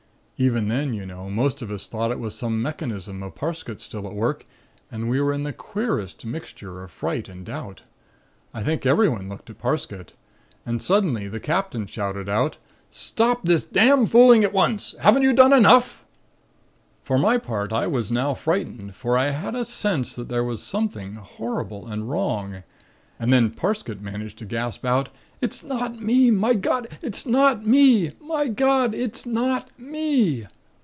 "Even then, you know, most of us thought it was some mechanism of Parsket's still at work and we were in the queerest mixture of fright and doubt. I think everyone looked at Parsket. And suddenly the Captain shouted out: "'Stop this damned fooling at once. Haven't you done enough?' "For my part, I was now frightened for I had a sense that there was something horrible and wrong. And then Parsket managed to gasp out: "'It's not me! My God! It's not me! My God! It's not me.'